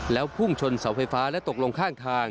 แล้วพุ่งชนเสาไฟฟ้าและตกลงข้างทาง